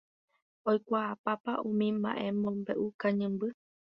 oikuaapápa umi mba'emombe'u kañymby